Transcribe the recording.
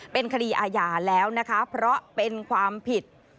เป็นคดีอาหย่าแล้วเพราะเป็นความผิด